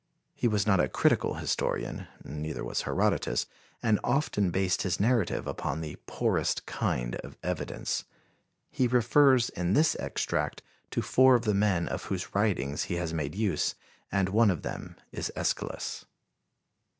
He was not a critical historian neither was Herodotus and often based his narrative upon the poorest kind of evidence. He refers in this extract to four of the men of whose writings he has made use, and one of them is Æschylus.